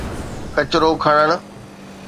ڪچرو کڻڻ.